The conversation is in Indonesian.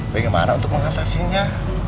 bagaimana untuk mengatasinya